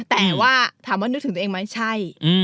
แต่ว่าถามว่านึกถึงตัวเองไหมใช่